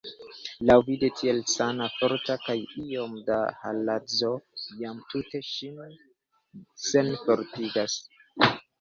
Laŭvide tiel sana, forta, kaj iom da haladzo jam tute ŝin senfortigas!